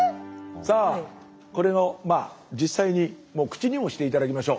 さあこれをまあ実際に口にもして頂きましょう。